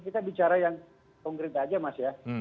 kita bicara yang konkret aja mas ya